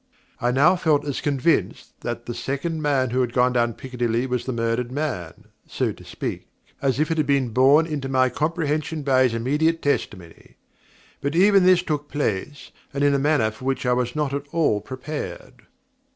I now felt as convinced that the second man who had gone down Piccadilly was the murdered man (so to speak), as if it had been borne into my comprehension by his immediate testimony. But even this took place, and in a manner for which I was not at all prepared.